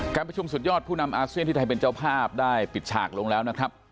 การประชุมสุดยอดผู้นำอาเซียนที่ไทยเป็นเจ้าภาพได้ปิดฉากลงแล้วนะครับ